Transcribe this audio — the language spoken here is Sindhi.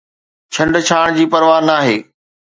ڇنڊڇاڻ جي پرواهه ناهي